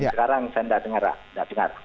sekarang saya tidak dengar